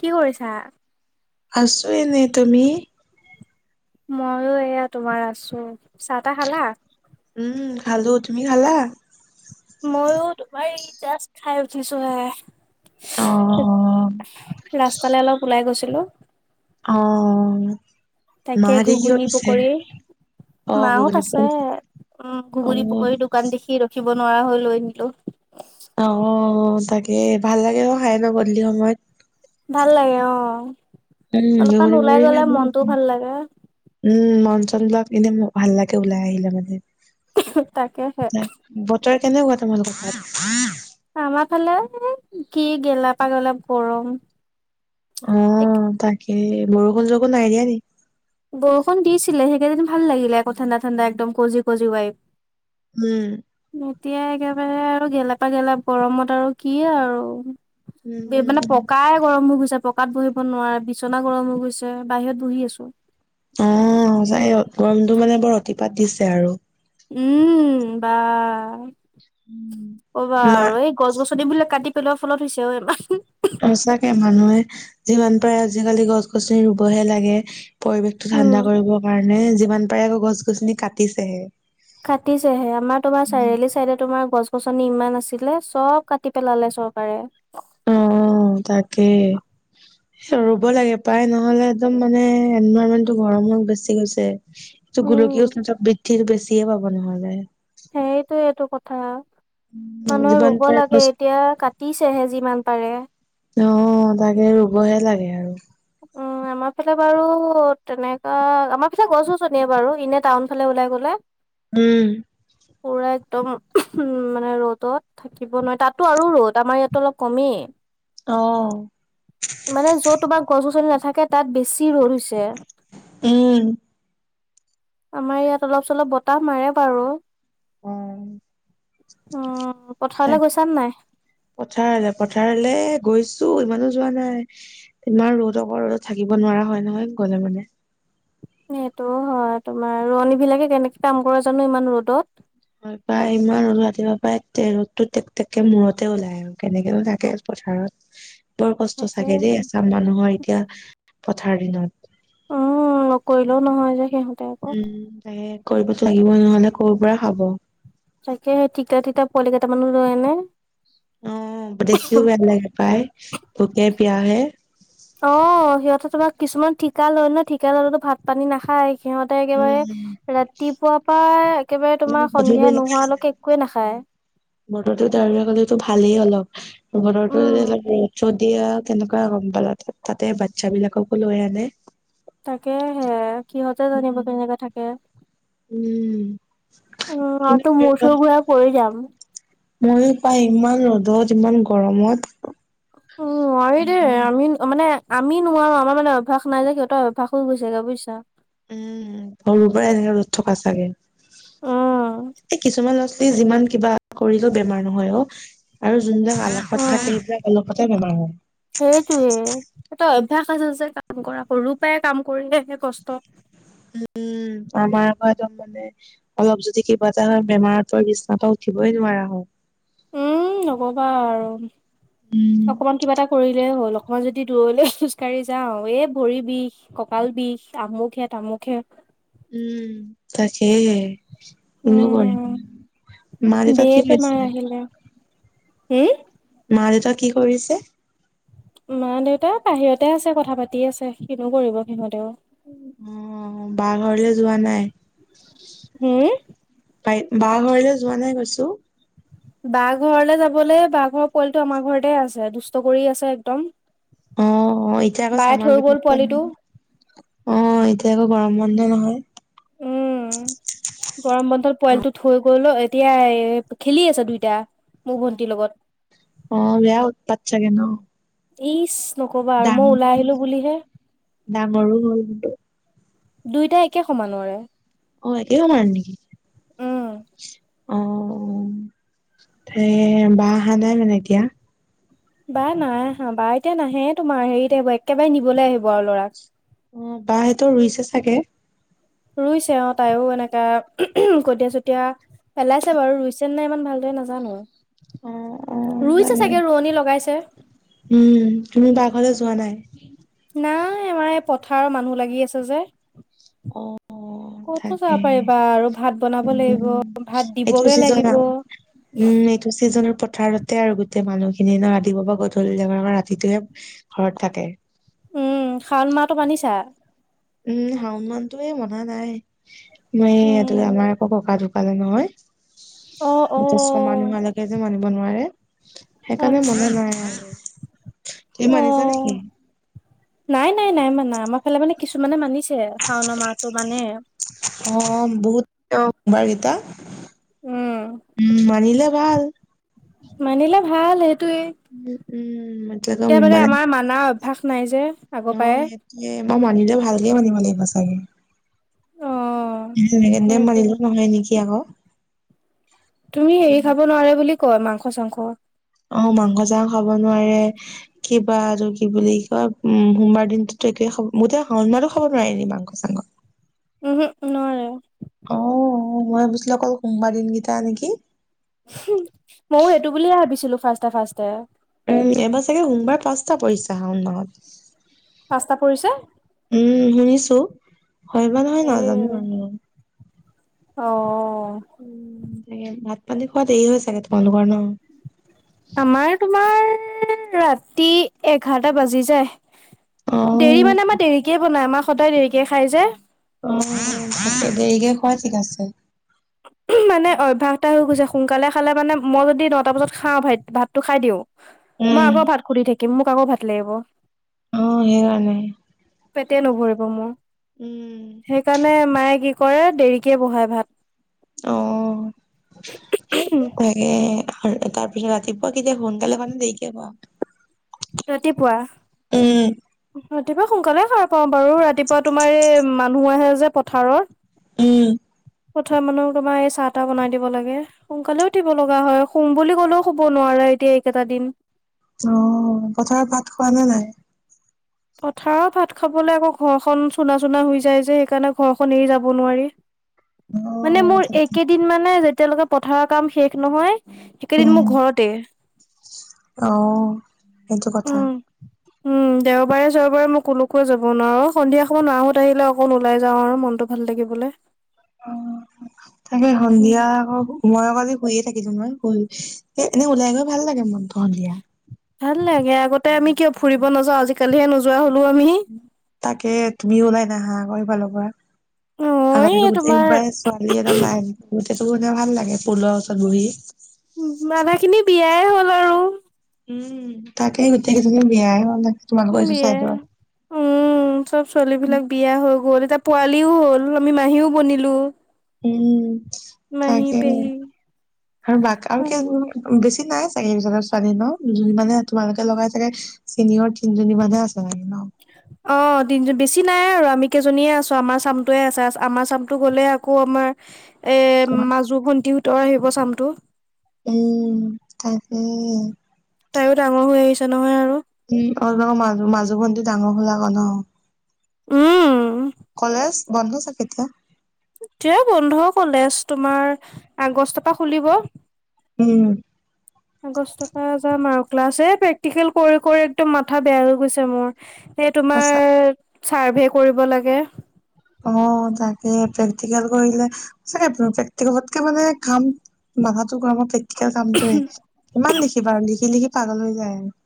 কি কৰিছা? আছো এনেই তুমি? ময়ো এয়া তোমাৰ আছো, চাহ তাহ খালা? উম খালো, তুমি খালা? মইও তোমাৰ এই জাষ্ট খাই উঠিছো হে। অ'। ৰাস্তালে অলপ ওলাই গৈছিলো। অ'। তাকে মাহঁতে কি ঘুগুনি কৰিছে পকৰি। অ মাহঁত ঘুগুনি আছে, পকৰি, উম অ ঘুগুনী পকৰী দোকান দেখি ৰখিব নোৱাৰা হৈ লৈ আনিলো। অ' তাকে ভাল লাগে অ খাই ন গধূলি সময়ত। ভাল লাগে অ', উম অলপমান ঘুগুনি ওলাই পুৰি গলে মনটো ভাল লাগে। উম মন চনবিলাক এনেই ভাল লাগে ওলাই আহিলে মানে। তাকেহে। তাক বতৰ কেনেকুৱা তোমালোকৰ ফালে? আমাৰ ফালে কি গেলা পাগলপ গৰম। অ' তাকে বৰষুণ চৰষুণ নাই দিয়া নেকি? বৰষুণ দিছিলে সেইকেইদিন ভাল লাগিলে আকৌ ঠাণ্ডা ঠাণ্ডা একদম কজি কজি ৱাইপ। উম। এতিয়া একেবাৰে আৰু গেলাপা গেলাপ গৰমত আৰু কি আৰু। উম এই উম মানে উম। পকাই গৰম হৈ গৈছে পকা পকাত বহিব নোৱাৰ, বিছনা গৰম হৈ গৈছে, বাহিৰত বহি আছো। অ' সচাই গৰমটো মানে বৰ অতিপাত দিছে আৰু। উম বা নক'বা মা আৰু এই গছ গছনিবিলাক কাটি পেলোৱাৰ ফলত হৈছে অ' ইমান। সচাকে মানুহে যিমান পাৰে আজিকালি গছ গছনি ৰুবহে লাগে। পৰিৱেশটো উম। ঠাণ্ডা কৰিবৰ কাৰণে যিমান পাৰে আকৌ গছ গছনি কাটিছেহে। কাটিছেহে আমাৰ তোমাৰ চাৰআলি চাইডে তোমাৰ গছ গছনি ইমান আছিলে চব কাটি পেলালে চৰকাৰে। উম, তাকে। ৰুব লাগে পায় নহলে একদম মানে এনভাইৰণমেন্টটো গৰম হৈ গুছি গৈছে। টো উম গোলকীয় উষ্ণতা বৃদ্ধিৰ বেছিয়ে পাব নহলে। সেইটোয়েটো কথা। মানুহে যিমান ৰুব পাৰে লাগে গছ এতিয়া কাটিছেহে যিমান পাৰে। অ' তাকে ৰুবহে লাগে আৰু। উম আমাৰ ফালে বাৰু তেনেকা আমাৰ ফালে গছ গছনিয়ে বাৰু এনে টাউন ফালে ওলাই গ'লে। উম। পুৰা একদম মানে ৰ'দ থাকিব নোৱাৰি তাতটো আৰু ৰ'দ আমাৰ ইয়াতো অলপ কমেই। অ'। মানে যত তোমাৰ গছ গছনি নাথাকে তাত বেছি ৰ'দ হৈছে। উম আমাৰ ইয়াত অলপ চলপ বতাহ মাৰে বাৰু। উম। অ পথাৰলৈ গৈছানে নাই? পথাৰলৈ পথাৰলৈ গৈছো ইমানো যোৱা নাই। তোমাৰ ৰ'দ অক ৰ'দত থাকিব নোৱাৰা হয় নহয় গলে মানে। সেইটো হয় তোমাৰ ৰোৱনীবিলাকে কেনেকে কাম কৰা জানো ইমান ৰ'দত। হয় পায়, ইমান ৰাতিপুৱাৰপাই তে ৰ'দটো তেক তেককৈ মূৰতে ওলাই আৰু। কেনেকেনো থাকে পথাৰত, বৰ কষ্ট তাকে চাগে দেই এচাম মানুহৰ এতিয়া! পথাৰ দিনত। অ', নকৰিলেও নহয় যে সিহঁতে আ উম তাকে, কৰিবতো লাগিবই, নহলে ক'ৰ পৰা খাব? তাকে, টিকলা-টিকলা পোৱালিকেটামানো লৈ আহে ন? অ, দেখিও বেয়া লাগে পায়, ভোকে পিয়াহে অ, সিহঁতে তোমাক কিছুমান ঠিকা লয় ন, ঠিকা ললেতো ভাত পানী নাখায়। সিহঁতে একেবাৰে উম, ৰাতিপুৱাৰপা একেবাৰে তোমাৰ গধূলি সন্ধিয়া লগে লগে নোহোৱালৈকে একোৱে নাখায়। বতৰটো ডাৱৰীয়া কৰিলেতো ভালেই অলপ, বতৰটো উম [unintelligible] যদি আৰু তেনেকুৱা গম পালে, তাতে বাচ্ছাবিলাককো লৈ আনে তাকেহে, সিহঁতে জানিব উম। কেনেকে থাকে! উম। অ, কিনো মইতো মূৰ কৰিবা চূৰ ঘূৰাই পৰি যাম। ময়ো পাই, ইমান ৰ'দত, ইমান গৰমত! অ', আৰু এতিয়া, উম। আমি অ মানে আমি নোৱাৰোঁ, আমাৰ মানে অভ্যাস নাই যে, সিহঁতৰ অভ্যাস হৈ গৈছেগৈ বুইছা? উম, সৰুৰ পৰা এনেকে ৰ'দত থকা চাগে! উম এই কিছুমান লছালি যিমান কিবা কৰিলেও বেমাৰ নহয় অ', আৰু জোনবিলাক আলা উম [unintelligible] অলপতে বেমাৰ হয়। সেইটোৱে, সেঁতৰ অভ্যাস আছে যে কাম কৰা, সৰুপাই কাম কৰিলে যে কষ্ট উম, উম। আমাৰ আকৌ একদম মানে অলপ যদি কিবা এটা হয়, বেমাৰতে বিচনাপা উঠিবই নোৱাৰা হওঁ উম নকবা আৰু, উম। অকমান কিবা এটা কৰিলেই হ'ল মই যদি দূৰলৈ খোজ কাঢ়ি যাওঁ, এই ভৰি বিষ, কঁকাল বিষ, আমুক হে, তামুক হে উম, তাকেই, কিনো উম কৰিবি [unintelligible] আহিলে, হুম মা দেউতাই কি কৰি আ? ছে মা দেউতা বাহিৰতে আছে, কথা পাতি আছে। কিনো কৰিব সিহঁতেও অ', বা ঘৰলে যোৱা নাই? উম বাই, বা ঘৰলৈ যোৱা নাই কৈছোঁ। বাৰ ঘৰলৈ যাবলৈ বা ঘৰৰ পোৱালিটো আমাৰ ঘৰতে আছে, দুষ্ট কৰি আছে একদম। অ', অ, এতিয়া আকৌ বায়ে থৈ চামাৰ গ'ল ভেকেচন‌ পোৱালিটো [unintelligible] অ', এতিয়া আকৌ গৰম বন্ধ নহয়! উম গৰম বন্ধত পোৱালিটো থৈ গ'ল, এতিয়া খেলি আছে দুইটা। মোৰ ভণ্টিৰ লগত। অ', বেয়া উৎপাত চাগে ন? ইচ নক'বা আৰু, মই ডাঙৰো ওলাই হ'ল আহিলোঁ বুলিহে ডাঙৰো হ'ল কিন্তু। দুইটাই একে সমানৰে। অ, একে সমান নেকি? উম অ', তে বা অহা নাই মানে এতিয়া? বা নাই আহা, বা এতিয়া নাহে তোমাৰ, হেৰিত আহিব, একেবাৰে নিবলৈ আহিব আৰু ল'ৰাক। অ, বা সেইটো ৰুইছে চাগে। ৰুইছে অ, তাইও এনেকা কঠিয়া-চঠিয়া পেলাইছে বাৰু! ৰুইছে নে নাই, ইমান ভালদৰে নাজানো। অ অ ৰুইছে তাকে চাগে, ৰোৱনী লগাইছে। উম। তুমি বা ঘৰলৈ যোৱা নাই? নাই, আমাৰ এই পথাৰৰ মানুহ লাগি আছে যে। অ, অ। ক'তো যাব পাৰিবা আৰু, ভাত বনাব লাগিব, উম ভাত এইটো দিবগে চিজন লাগিব। উম, এইটো চিজনত পথাৰতে আৰু গোটেই মানুহখিনি ন, ৰাতিপুৱাৰ পৰা গধূলিলেকে, অকল ৰাতিটোহে ঘৰত থাকে। উম, শাওন মাহটো মানিছা? উম, শাওণমাহ‌টোৱে মনা নাই, উম মই আমাৰ ককা ঢুকালে নহয়। অ, অ। ছয় মাহ নোহোৱালৈকে যে মানিব নোৱাৰে, সেইকাৰণে আচ্ছা মনা নাই আৰু। তুমি অ মানিছা নেকি? নাই, নাই, নাই মানা। আমাৰ ফালে মানে কিছুমানে মানিছে। শাওনৰ মাহটো মানে অ, বহুত [unintelligible] বাৰকেইটা। উম, মানিলে ভাল। মানিলে ভাল, সেইটোৱে। উম, উম। এতিয়া মানে আমাৰ মানাৰ অভ্যাস নাই যে, আগৰ পৰাই। এ, মই মানিলে ভালকেই মানিব লাগিব চাগে। অ যেনেকে-তেনেকে সেইটো মানিলেও নহয় নেকি আকৌ! তুমি হেৰি খাব নোৱাৰে বুলি কয় মাংস-চাংস। অ, মাংস-চাংস খাব নোৱাৰে। কিবা আৰু কি বুলি কয়, উম, সোমবাৰ দিনটোতো একোৱে খাব, গোটেই শাওন মাহটো খাব নোৱাৰি নেকি, মাংস-চাংস। উহু, উহু। নোৱাৰে। অ, মই ভাবিছিলো অকল সোমবাৰ দিনকেইটা নেকি! ময়ো সেইটো বুলিয়ে ভাবিছিলো ফাষ্টে-ফাষ্টে। উম, এইবাৰ চাগে, সোমবাৰ পাঁচটা পৰিছে শাওণ মাহত। পাঁচটা পৰিছে! উম, শুনিছো! হয় বা নহয় এ নাজানো আৰু। অ। তাকে, ভাত-পানী খোৱা দেৰি হয় চাগে, তোমালোকৰ ন! আমাৰ তোমাৰ, ৰাতি এঘাৰটা বাজি যায়। অ দেৰি মানে, আমাৰ দেৰিকে বনাই, আমাৰ সদায় দেৰিকে খাই যে। অ, দেৰিকে খোৱাই ঠিক আছে। মানে অভ্যাস এটা হৈ গৈছে, সোনকালে খালে মানে মই যদি নটা বজাত খাওঁ, ভা ভাতটো খাই দিওঁ। মই উম আকৌ ভাত সুধি থাকিম, মোক আকৌ ভাত লাগিব। অ, সেইকাৰনে। পেটে নভৰিব মোৰ। উম। সেইকাৰণে, মায়ে কি কৰে, দেৰিকে বহায় ভাত। অ, [unintelligible] এঁ তাৰ পিছত ৰাতিপুৱা কেতিয়া শুৱা সোনকালে শুৱানে দেৰিকে শুৱা? ৰাতিপুৱা। উম' ৰাতিপুৱা সোনকালে হাৰ পাওঁ বাৰু ৰাতিপুৱা তোমাৰ এই মানুহ আহে যে পথাৰৰ। উম' পথাৰ মানুহ তোমাৰ এই চাহ তাহ বনাই দিব লাগে। সোনকালে উঠিব লগা হয়, সোম বুলি ক'লেও শুব নোৱাৰা এতিয়া এইকেইটা দিন।। অঁ পথাৰত ভাত খোৱা নে নাই? পথাৰত ভাত খাবলৈ আকৌ ঘৰখন চুনা চুনা হৈ যায় যে, সেইকাৰণে ঘৰখন এৰি যাব নোৱাৰি। অ মানে মোৰ তাকে এইকেইদিন মানে যেতিয়ালৈকে পথাৰৰ কাম শেষ নহয়- সেইকেইদিন উম মোৰ ঘৰতে, অ সেইটো কথা উম'। উম দেওব- দেওবাৰে চেওবাৰে মোক কলৈকো যাব নোৱাৰোঁ, সন্ধিয়া সময়ত মা হঁত আহিলে অকণ ওলাই যাওঁ আৰু মনটো ভাল লাগিবলে। [inaudible] অঁ তাকে সন্ধিয়া উম, আকৌ- ময় আক আজি শুইয়ে থাকিলো নহয়, শুই এনে ওলাই গৈ ভাল লাগে মনটো সন্ধিয়া। ভাল লাগে আগতে আমি কিয় ফুৰিব নাযাও, আজিকালিহে নোযোৱা হ'লো আমি। তাকে, তুমিও ওলাই নাহাঁ আক সিফালৰ পৰা। অ', আগতেটো এই গোটেই তোমাৰ ছোৱালী এটা লাইন গোতেই টো ভাল লাগে পুলৰ ওচৰত বহি। উম' মানা খিনি বিয়াই হ'ল আৰু। উম' তাকেই গোটেই গেজনী বিয়াই হলে তোমালোকৰ সেইটো বিয়া চাইদৰ। উম, চব ছোৱালী বিলাক বিয়া হৈ গ'ল এতিয়া পোৱালিও হ'ল আমি মাহীও বনিলো। উম' মাহী তাকে পেহী আৰু বাক আৰু কিয় [unintelligible] বেছি নাই চাগে এইটো জেগাত ছোৱালী ন দুজনী মানে তোমালোকে লগাই চাগে- চিনিয়ৰ তিনিজনী মান হে আছে চাগে ন। অঁ তিনি জনি বেছি নাই আৰু আমি কেইজনীয়ে আছো আমাৰ চামটোৱে আছে আমাৰ চামটো গ'লে আকৌ আমাৰ- এ মাজু ভণ্টিহঁতৰ আহিব চামটো। উম' তাকে। তাইও ডাঙৰ হৈ আহিছে নহয় আৰু। উম' অ তহত মাজু মাজু ভন্টি ডাঙৰ হল আক ন। উম' কলেজ বন্ধ চাগে এতিয়া। এতিয়া বন্ধ কলেজ তোমাৰ আগষ্ট পা খুলিব। উম' আগষ্ট পা যাম আৰু ক্লাছ এ প্ৰেক্টিকেল কৰি কৰি একদম মাথা বেয়া হৈ গৈছে মোৰ। এ সঁচা তোমাৰ চাৰ্ভে কৰিব লাগে। অঁ তাকে প্ৰেক্টিকেল কৰিলে সচাকে প্ৰেক্টিকেলতকে মানে কাম- মাথাটো গৰম হয় প্ৰেক্টিকেল কামটোয়ে, কিমান লিখি বা আৰু লিখি লিখি পাগল হৈ যায় আৰু।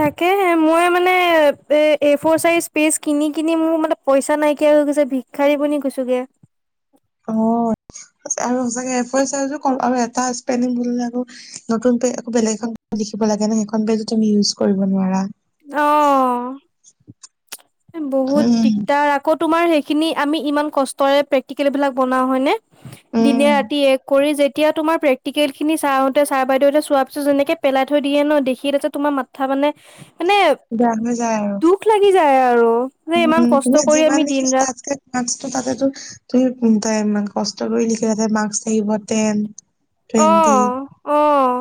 তাকেহে মই মানে এ ফৰ চাইচ পেচ কিনি কিনি মোৰ মানে পইচা নাইকিয়া হৈ গৈছে। ভিক্ষ- খাৰি বনি গৈছো গে। অঁ আৰু সচাকে এ ফোৰ চাইজো কম আৰু এটা স্পেনিং ভুল হ'লে আকৌ- নতুন পেজ আকৌ বেলেগ এখন পেজত লিখিব লাগে ন সেইখন পেজো তুমি ইউজ কৰিব নোৱাৰা। অঁ' এ বহুত উম, দিগদাৰ আক- কৌ তোমাৰ সেইখিনি আমি ইমান কষ্টৰে পেক্তিকেল বিলাক বনাও হয় নে- উম, দিনে ৰাতি এক কৰি যেতিয়া তোমাৰ প্ৰেক্টিকেল খিনি চাহতে ছাৰ বাইদেউ হতে চোৱা পিছত যেনেকে- পেলাই থৈ দিয়ে ন' দেখি তাতে তোমাৰ মাথা মানে, মানে বেয়া হৈ যায় আৰু। দুখ লাগি যায়। আৰু যে ইমান কষ্ট কৰি আমি দিন ৰাত তাঞ্চ তাতেতো তুমি কোন তাইম কষ্ট কৰি লিখিই মাৰ্ক থাকিব টেন। টুৱেণ্টি। অ', অ',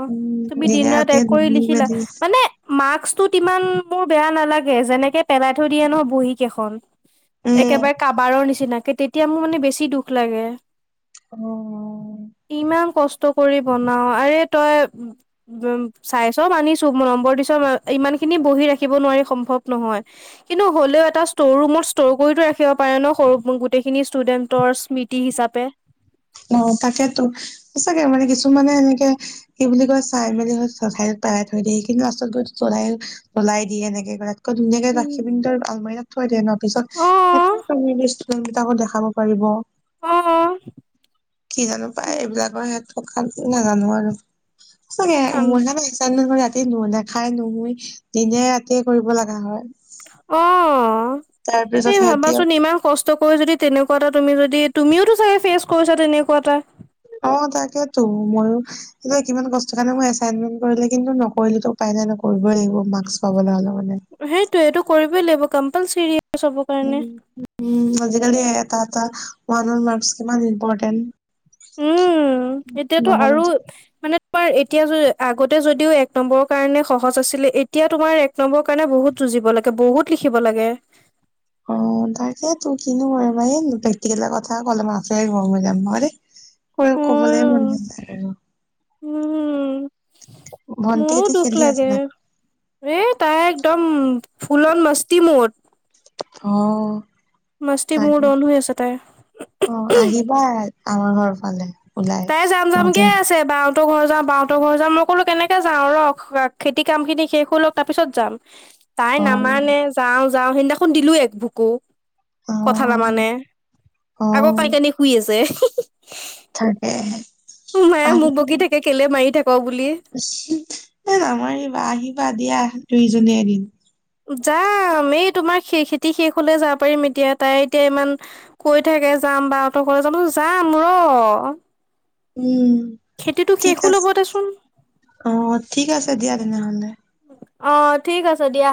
তুমি দিন দিনে উম, ৰাত ৰাতিয়ে এক কৰি দুই লিখিলা, মেলি মানে মাস্কটোত ইমান মোৰ বেয়া নালাগে, যেনেকে পেলাই থৈ দিয়ে নহ বহীকেইখন। উম। একেবাৰে কাবাৰৰ নিচিনাকে, তেতিয়া মোৰ মানে বেছি দুখ লাগে। অ', ইমান কষ্ট কৰি বনাওঁ আৰে তই উম' চাইচ মানিছো নম্বৰ দিচ, ইমান খিনি বহি ৰাখিব নোৱাৰি সম্ভৱ নহয়। কিন্তু হ'লেও এটা ষ্ট' ৰুমত ষ্ট'ৰ কৰিতো ৰাখিব পাৰে ন'। সৰু গোটেইখিনি ষ্টুডেন্টৰ ইছ তি হিচাপে। অ', তাকেতো, সচাগে মানে কিছুমানে এনেকে সই বুলি কয় চাই মেলি চধাই পেলাই থৈ দিয়ে, কিন্তু আচলতো চধাই ওলাই দিয়ে এনেকে ধুনীয়াকে উম, গাখি পিনিতৰ আলমাৰি এটাত থৈ দে ন' পিছত অ সেইটোৱে নিদিষ্ট উম', তাকো দেখাব পাৰিব। অ', কি জানো পাই, এইবিলাকৰ ক্ষেত্ৰত শান্তি নাজানো আৰু। সঁচাকে কাম মোৰ নিচিনাকে আছাইটমেন ৰাতি নু খাই নুহুই দিনে ৰাতিয়ে কৰিব লগা হয়। অ', তাৰ পিছত এই সিহঁতি ভাবাচোন ইমান কষ্ট চকুৱে কৰি যদি তেনেকুৱা এটা তুমি যদি, তুমিওঁ চাগে ফেচ কৰিছা তেনেকুৱা এটা। অ', তাকেতো মইওঁ সেই কিমান কষ্ট কাৰণে মই এচাইনমেণ্ট কৰিলে কিন্তু নকৰিলেতো উপায় নাই ন', কৰিবই লাগিব মাৰ্ক পাবলৈ হ'লে মানে। সেইটো এইটো কৰিবই লাগিব কম্পালচৰি। চবৰ কাৰণে উম', আজিকালি এটা এটা, ওৱান মাৰ্কচ কিমান ইম্পৰ্টেণ্ট। উম', এতিয়াতো নহ'লে আৰু যে- মানে তোমাৰ এতিয়া আগতে যদিও এক নম্বৰৰ কাৰণে সহজ আছিলে, এতিয়া তোমাৰ এক নম্বৰ কাৰণে বহুত যুঁজিব লাগে, বহুত লিখিব লাগে। অ', তাকে তোৰ কিনো হয় এইবাৰ, হেৰি প্ৰেক্টিকেলৰ কথা ক'লে মথাই গৰম হৈ যাব দেই। হয় কবলৈ মন অ', নেজাই। উম', ভন্টি মোৰো এতিয়া দুখ খেলি আছে লাগে। চাগে এ' তাই একদম ফুলন মস্তি মদ অ', মস্তি মদ তাকে অন হৈ আছে তাই। অ আহিবা আমাৰ ঘৰ ফালে। ওলাই তাই যাম যাম মাজে কে আছে বাওঁ। ত' ঘৰ যাওঁ বাওঁতৰ ঘৰ যাম মই ক'লো কেনেক যাওঁ ৰ'। খেতি কাম খিনি শেষ হয় লওক তাৰ পিছত যাম। তাই অ নামানে যাওঁ যাওঁ সেইদিনাখন দিলো এক ভুকু। অ কথা নামানে, অ আকৌ কানি কানি শুই আছে। তাকেহে। মায়ে মোক বগি থাকে, কেলে মাৰি থাক বুলি। এ' নামাৰিবা আহিবা দিয়া, দুইজনীয়ে এদিন। যাম, এই তোমাৰ খে- খেতি শেষ হ'লে যাব পাৰিম, এতিয়া তাই এতিয়া ইমান কৈ থাকে যাম বা অঁত কলে যামতো যাম ৰ উম খেতিটো ঠিক শেষো ল'ব আছে দেচোন। অ ঠিক আছে দিয়া তেনেহলে অ ঠিক আছে দিয়া।